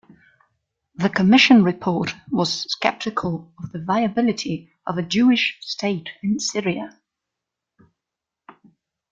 The Commission Report was skeptical of the viability of a Jewish state in "Syria".